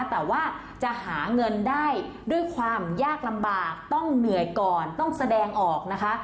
แต่ว่าจะหาเงินได้ด้วยความยากลำบากต้องเหนื่อยก่อนต้องแสดงออกนะคะ